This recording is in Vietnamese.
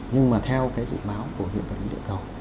nhưng mà theo cái dự báo của hiện vật lý địa cầu